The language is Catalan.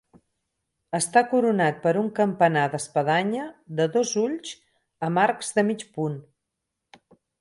Està coronat per un campanar d'espadanya de dos ulls amb arcs de mig punt.